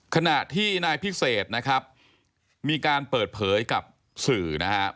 ขณะที่นายพิเศษนะครับมีการเปิดเผยกับสื่อนะครับ